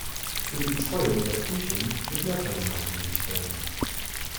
Für die Betreuung der Frühchen wird mehr Personal benötigt werden.